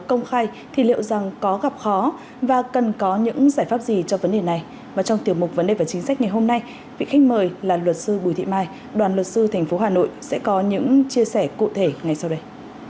công khai thì liệu rằng có gặp khó và cần có những giải pháp gì cho vấn đề này và trong tiểu mục vấn đề và chính sách ngày hôm nay vị khách mời là luật sư bùi thị mai đoàn luật sư tp hà nội sẽ có những chia sẻ cụ thể ngay sau đây